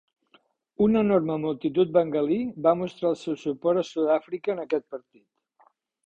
Una enorme multitud bengalí va mostrar el seu suport a Sud-àfrica en aquest partit.